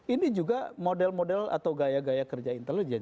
ini juga model model atau gaya gaya kerja intelijen